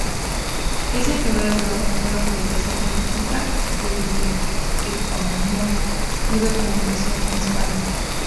Es el primer blog de una publicación científica de biblioteconomía y documentación en España.